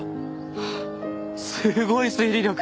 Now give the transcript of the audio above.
すごい推理力！